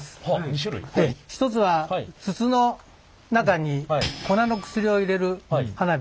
一つは筒の中に粉の薬を入れる花火。